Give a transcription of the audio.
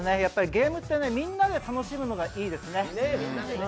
ゲームってみんなで楽しむのがいいですね。